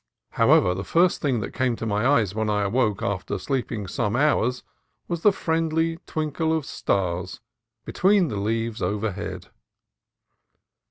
However, the first thing that came to my eyes when I awoke after sleeping some hours was the friendly twinkle of stars between the leaves overhead.